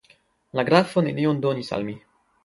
La grafo nenion donis al mi.